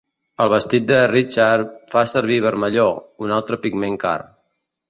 El vestit de Richard fa servir vermelló, un altre pigment car.